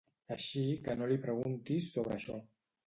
Així que no li preguntis sobre això.